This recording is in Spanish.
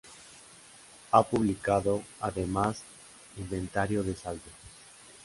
Ha publicado, además, "Inventario de saldos.